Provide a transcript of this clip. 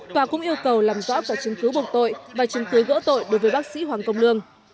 tòa cũng yêu cầu làm rõ cả chứng cứ buộc tội và chứng cứ gỡ tội đối với bác sĩ hoàng công lương